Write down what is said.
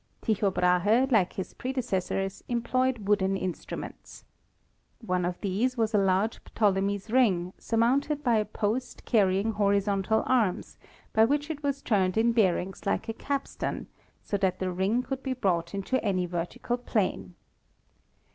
Tycho Brahe, like his predecessors, employed wooden instruments. One of these was a large Ptolemy's ring, surmounted by a post carrying horizontal arms, by which it was turned in bearings like a capstan, so that the ring could be brought into any vertical plane.